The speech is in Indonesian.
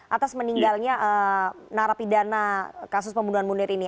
atas meninggalnya narapidana kasus pembunuhan munir ini